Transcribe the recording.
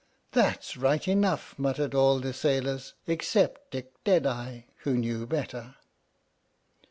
" "That's right enough! " muttered all the sailors, except Dick Deadeye, who knew better.